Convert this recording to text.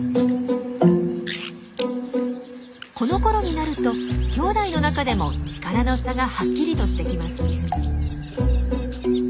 このころになるときょうだいの中でも力の差がはっきりとしてきます。